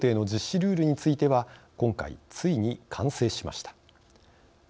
ルールについては今回ついに完成しました。